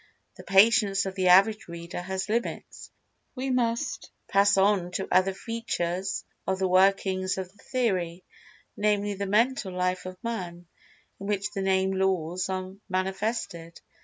The patience of the average reader has limits—and he must pass on to other features of the workings of the theory, namely the Mental Life of Man, in which the same laws are manifested.